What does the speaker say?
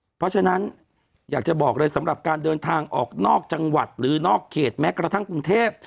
เพราะฉะนั้นอยากจะบอกเลยสำหรับการเดินทางออกนอกจังหวัดหรือนอกเขตแม้กระทั่งกรุงเทพ